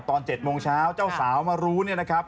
ตอน๗โมงเช้าเจ้าสาวมารู้เนี่ยนะครับ